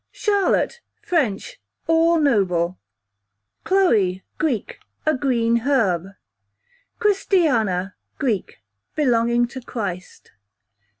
Charlotte, French, all noble. Chloe, Greek, a green herb. Christiana, Greek, belonging to Christ.